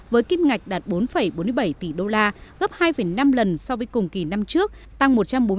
với kim ngạch đạt bốn bốn mươi bảy tỷ đô la gấp hai năm lần so với cùng kỳ năm trước tăng một trăm bốn mươi tám